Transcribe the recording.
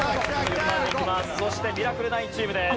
そしてミラクル９チームです。